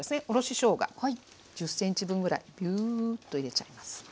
おろししょうが１０ｃｍ分ぐらいビューッと入れちゃいます。